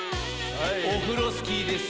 オフロスキーです。